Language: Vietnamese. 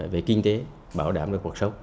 về kinh tế bảo đảm về cuộc sống